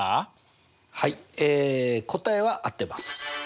はい答えは合ってます。